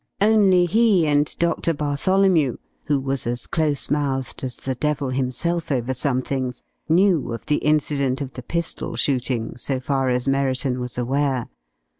Only he and Doctor Bartholomew who was as close mouthed as the devil himself over some things knew of the incident of the pistol shooting, so far as Merriton was aware.